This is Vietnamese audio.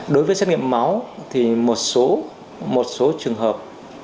đối với xét nghiệm máu thì một số trường hợp